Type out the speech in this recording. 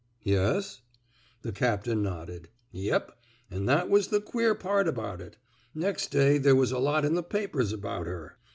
'' Yes! " The captain nodded. Yep, an' that was the queer part about it. Nex' day there was a lot in the papers about her.